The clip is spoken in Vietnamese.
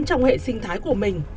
trong hệ sinh thái của mình